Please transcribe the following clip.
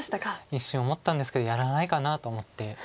一瞬思ったんですけどやらないかなと思って。